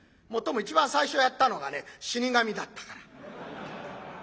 もっとも一番最初やったのがね「死神」だったから。